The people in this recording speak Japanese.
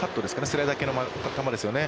スライダー系の球ですよね。